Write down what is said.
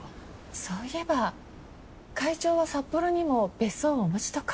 そういえば会長は札幌にも別荘をお持ちとか？